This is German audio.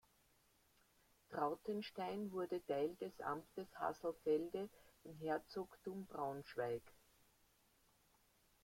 Trautenstein wurde Teil des Amtes Hasselfelde im Herzogtum Braunschweig.